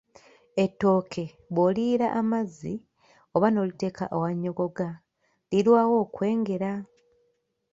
Ettooke bwoliyiira amazzi, oba n'oliteeka awannyogoga, lilwaawo okwengera.